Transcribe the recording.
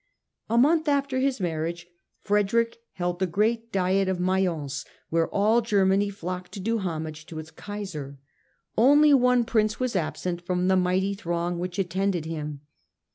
A month after his marriage Frederick held the great Diet of Mayence, where all Germany flocked to do homage to its Kaiser. Only one Prince was absent from the mighty throng which attended him.